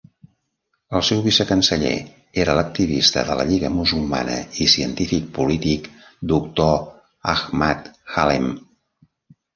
El seu vicecanceller era l'activista de la Lliga Musulmana i científic polític Doctor Ahmad Haleem.